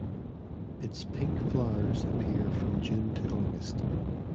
Its pink flowers appear from June to August.